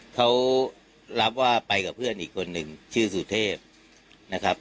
เขารับว่าไปกับเพื่อนอีกคนหนึ่งชื่อสุเทพนะครับ